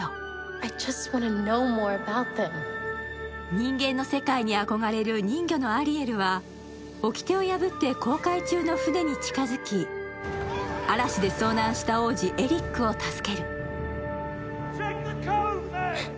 人間の世界に憧れる人魚のアリエルはおきてを破って航海中の船に近づき嵐で遭難した王子エリックを助ける。